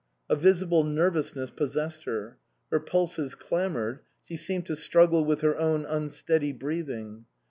A visible nervousness possessed her ; her pulses clamoured, she seemed to struggle with her own unsteady breathing.